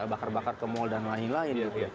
bakar bakar ke mal dan lain lain gitu